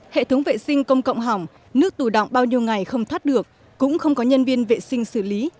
hệ thống vệ sinh công cộng hỏng nước tù động bao nhiêu ngày không thoát được cũng không có nhân viên vệ sinh xử lý